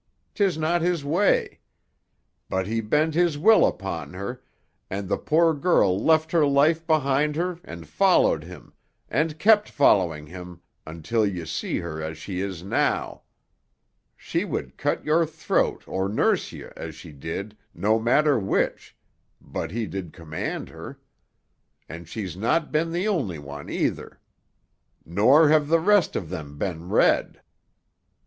'Tis not his way. But he bent his will upon her, and the poor girl left her life behind her and followed him, and kept following him, until ye see her as she is now. She would cut your throat or nurse ye as she did, no matter which, did he but command her. And she's not been the only one, either. "Nor have the rest of them been red."